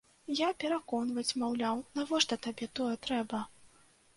Я пераконваць, маўляў, навошта табе тое трэба?